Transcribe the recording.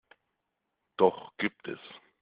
Doch gibt es.